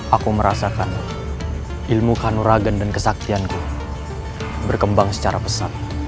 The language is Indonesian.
aku merasakan ilmu kanuragan dan kesaktianku berkembang secara pesat